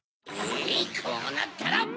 えいこうなったら！